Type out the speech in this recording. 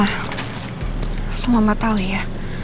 asal mama tau ya